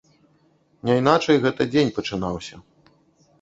Няйначай, гэта дзень пачынаўся.